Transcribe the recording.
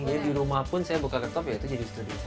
jadi di rumah pun saya buka laptop ya itu jadi studio saya